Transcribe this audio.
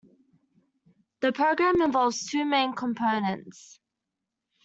The program involves two main components.